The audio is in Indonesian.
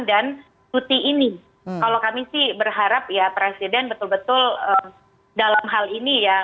dan cuti ini kalau kami sih berharap ya presiden betul betul dalam hal ini ya